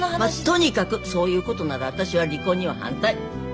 とにかくそういうことなら私は離婚には反対。